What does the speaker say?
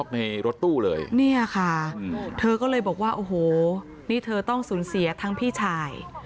ในรถตู้เลยเนี่ยค่ะเธอก็เลยบอกว่าโอ้โหนี่เธอต้องสูญเสียทั้งพี่ชาย